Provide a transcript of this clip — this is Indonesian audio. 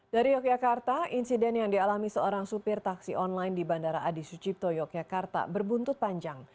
dari yogyakarta insiden yang dialami seorang supir taksi online di bandara adi sucipto yogyakarta berbuntut panjang